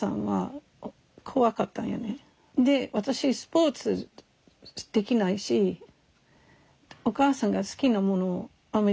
で私スポーツできないしお母さんが好きなものあんまりできへんのね。